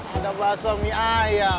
udah basah mie ayam